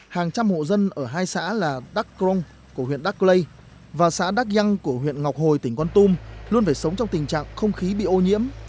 hàng trăm hộ dân ở hai xã là đắk krong của huyện đắc lây và xã đắc giang của huyện ngọc hồi tỉnh con tum luôn phải sống trong tình trạng không khí bị ô nhiễm